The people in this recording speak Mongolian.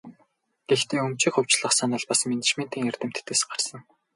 Гэхдээ өмчийг хувьчлах санал бас менежментийн эрдэмтдээс гарсан.